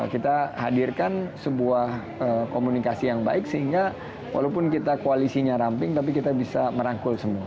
kita hadirkan sebuah komunikasi yang baik sehingga walaupun kita koalisinya ramping tapi kita bisa merangkul semua